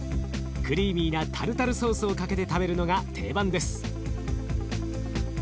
クリーミーなタルタルソースをかけて食べるのが定番です。